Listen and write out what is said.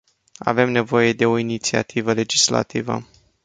Avem nevoie de o inițiativă legislativă.